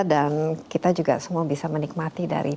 dan kita juga semua bisa menikmati dari